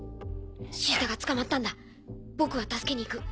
シータが捕まったんだ僕は助けに行く。